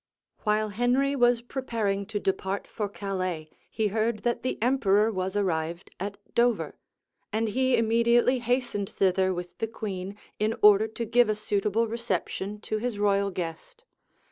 While Henry was preparing to depart for Calais, he heard that the emperor was arrived at Dover; and he immediately hastened thither with the queen, in order to give a suitable reception to his royal guest.